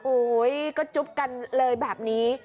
ก็จุ๊บกันเลยแบบนี้